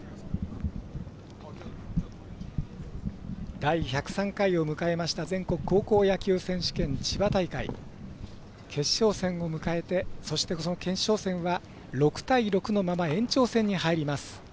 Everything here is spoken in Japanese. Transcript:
第１０３回を迎えた全国高校野球選手権千葉大会決勝戦を迎えて、その決勝戦は６対６のまま延長戦に入ります。